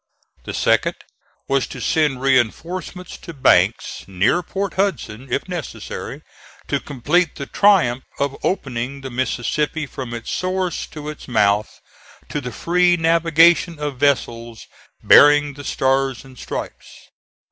The second was to send reinforcements to Banks near Port Hudson, if necessary, to complete the triumph of opening the Mississippi from its source to its mouth to the free navigation of vessels bearing the Stars and Stripes.